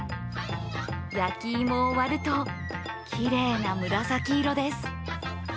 焼き芋を割るときれいな紫色です。